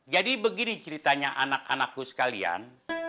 jadi begini ceritanya anak anakku sekalian